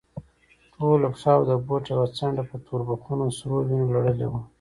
ټوله پښه او د بوټ يوه څنډه په توربخونو سرو وينو لړلې وه.